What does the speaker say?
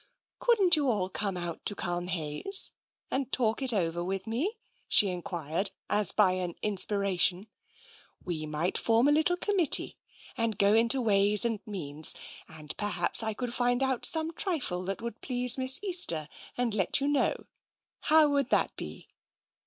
" Couldn't you all come out to Culmhayes and talk it over with me?" she enquired, as by an inspiration. " We might form a little committee, and go into ways and means, and perhaps I could find out some trifle that would please Miss Easter, and let you know. How would that be?"